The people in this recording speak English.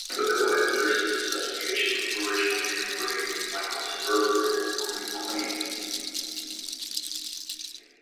The co-editors of the specification were originally Tim Bray and Michael Sperberg-McQueen.